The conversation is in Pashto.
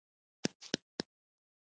سلای فاکس ستړی شو او باران هم پیل شو